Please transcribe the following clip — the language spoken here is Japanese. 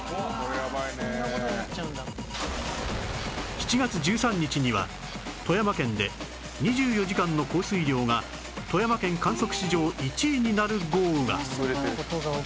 ７月１３日には富山県で２４時間の降水量が富山県観測史上１位になる豪雨が